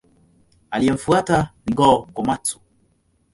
Aliyemfuata ni Go-Komatsu.